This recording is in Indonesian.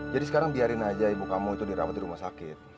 jadi sekarang biarin aja ibu kamu itu dirawat di rumah sakit